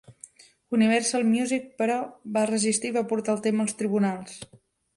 Universal Music, però, va resistir i va portar el tema als tribunals.